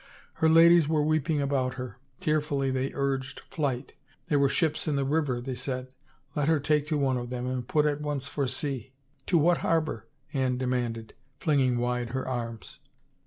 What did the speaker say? Her ladies were weeping about her. Tearfully they urged flight. There were ships in the river, they said; let her take to one of them and put at once for sea. " To what harbor ?" Anne demanded, flinging wide her arms.